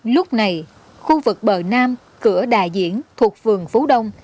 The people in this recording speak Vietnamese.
lúc này khu vực bờ nam cửa đà diễn thuộc phường phú đông